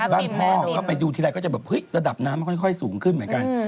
บ้านพ่อก็ไปดูทีไรก็จะแบบเฮ้ยระดับน้ำมันค่อยสูงขึ้นเหมือนกัน